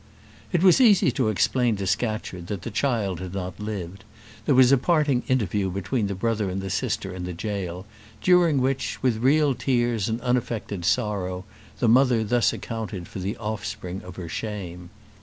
It was easy to explain to Scatcherd that the child had not lived. There was a parting interview between the brother and sister in the jail, during which, with real tears and unaffected sorrow, the mother thus accounted for the offspring of her shame.